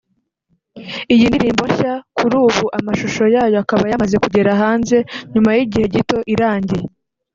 Iyi ndirimbo nshya kuri ubu amashusho yayo akaba yamaze kugera hanze nyuma y’igihe gito irangiye